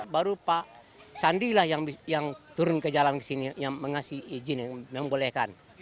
baru pak sandi lah yang turun ke jalan kesini yang mengasih izin yang membolehkan